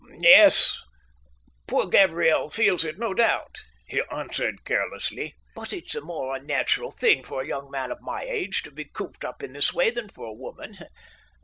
"Yes; poor Gabriel feels it, no doubt," he answered carelessly, "but it's a more unnatural thing for a young man of my age to be cooped up in this way than for a woman.